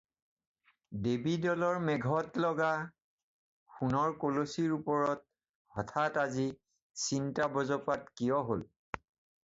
দেবী-দলৰ মেঘত লগা সোণৰ কলচীৰ ওপৰত হঠাৎ আজি চিন্তা-বজ্ৰপাত কিয় হ'ল?